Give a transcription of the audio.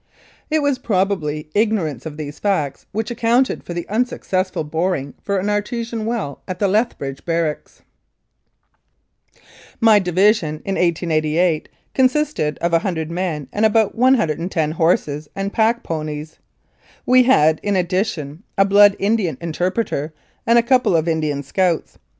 It was probably ignorance of these facts which accounted for the unsuccessful boring for an artesian well at the Lethbridge barracks. My division in 1888 consisted of 100 men and about 1 10 horses and pack ponies. We had, in addition, a Blood Indian interpreter and a couple of Indian scouts.